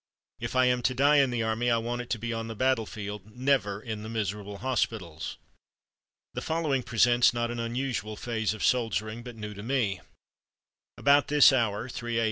If I am to die in the army, I want it to be on the battlefield, never in the miserable hospitals." The following presents not an unusual phase of soldiering, but new to me: "About this hour (3 A.